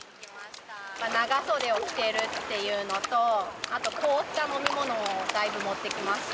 長袖を着てるっていうのと、あと凍った飲み物をだいぶ持ってきました。